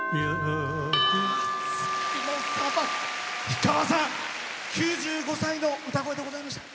氷川さん、９５歳の歌声でございました。